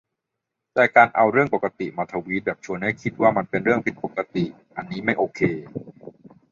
แต่การเอา "เรื่องปกติ" มาทวีตแบบชวนให้คนคิดว่ามันเป็นเรื่องผิดปกติ อันนี้ไม่โอเค